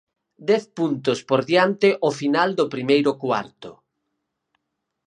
Dez puntos por diante ao final do primeiro cuarto.